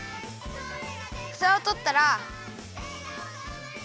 ふたをとったら。